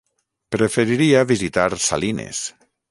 Preferiria visitar Salines.